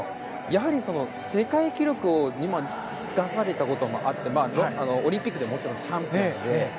やはり、世界記録を出されたこともあってオリンピックでチャンピオンで。